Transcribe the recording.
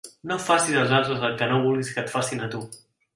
No facis als altres el que no vulguis que et facin a tu.